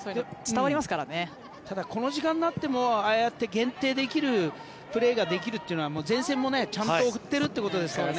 ただ、この時間になってもああやって限定できるプレーができるというのは前線もちゃんと行ってるってことですからね。